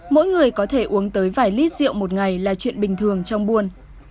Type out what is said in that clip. mỗi người có thể uống tới vài lít rượu một ngày là chuyện bình thường trong buôn